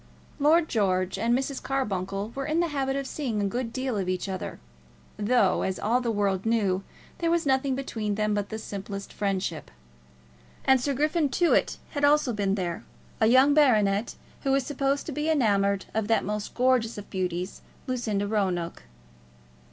Lord George and Mrs. Carbuncle were in the habit of seeing a good deal of each other, though, as all the world knew, there was nothing between them but the simplest friendship. And Sir Griffin Tewett had also been there, a young baronet who was supposed to be enamoured of that most gorgeous of beauties, Lucinda Roanoke.